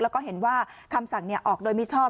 แล้วก็เห็นว่าคำสั่งออกโดยมิชอบ